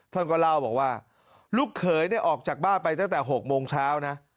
ท่านก็เล่าบอกว่าลูกเขยเนี่ยออกจากบ้านไปตั้งแต่๖โมงเช้านะ